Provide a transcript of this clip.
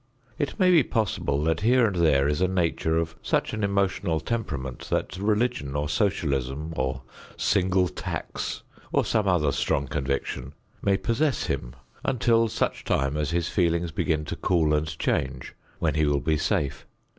It may be possible that here and there is a nature of such an emotional temperament, that religion or socialism or single tax or some other strong conviction may possess him until such time as his feelings begin to cool and change, when he will be safe.